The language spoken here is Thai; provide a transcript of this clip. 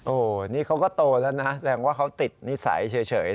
โอ้โหนี่เขาก็โตแล้วนะแสดงว่าเขาติดนิสัยเฉย